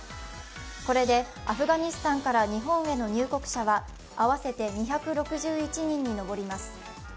これでアフガニスタンから日本への入国者は合わせて２６１人に上ります。